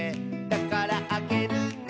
「だからあげるね」